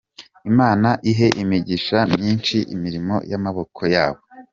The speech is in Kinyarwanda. Imana ihe imigisha myishi imirimo y’amaboko yabo.